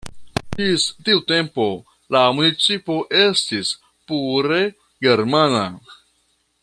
Ĝis tiu tempo la municipo estis pure germana.